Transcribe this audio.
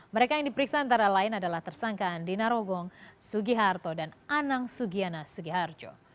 mereka yang diperiksa antara lain adalah tersangka andina rogong sugiharto dan anang sugiana sugiharjo